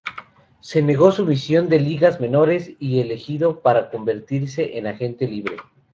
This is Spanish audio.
Se negó su misión de ligas menores, y elegido para convertirse en agente libre.